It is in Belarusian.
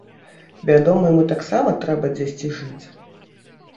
Вядома, яму таксама трэба дзесьці жыць.